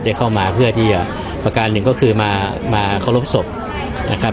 เข้ามาเพื่อที่จะประการหนึ่งก็คือมามาเคารพศพนะครับ